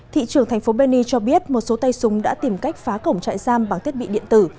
thị trưởng thành phố beni cho biết một số tay súng đã tìm cách phá cổng trại giam bằng thiết bị điện tử